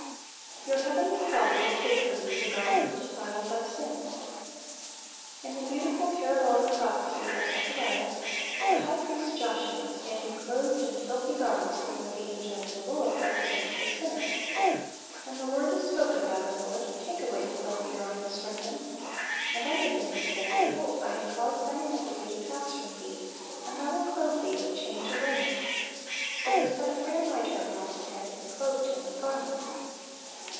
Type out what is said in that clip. Your Heavenly Father will take from you the garments defiled by sin. In the beautiful parabolic prophecy of Zechariah, the high priest Joshua, standing clothed in filthy garments before the angel of the Lord, represents the sinner. And the word is spoken by the Lord, "Take away tljc filthy garments from him. And unto him He said, Behold, I hav^e caused thine iniquity to pass from thee, and I will clothe thee with change of raiment. ... vSo they set a fair miter upon his head, and clothed him with garments."''